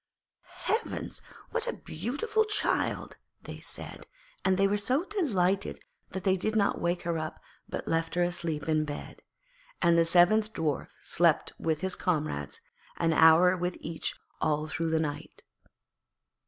'Heavens! what a beautiful child,' they said, and they were so delighted that they did not wake her up but left her asleep in bed. And the seventh Dwarf slept with his comrades, an hour with each all through the night.